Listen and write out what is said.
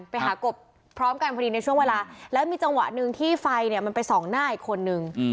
หากบพร้อมกันพอดีในช่วงเวลาแล้วมีจังหวะหนึ่งที่ไฟเนี่ยมันไปส่องหน้าอีกคนนึง